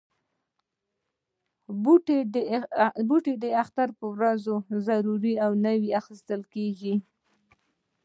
بوټونه د اختر په ورځ ضرور نوي اخیستل کېږي.